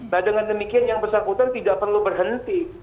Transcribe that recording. nah dengan demikian yang bersangkutan tidak perlu berhenti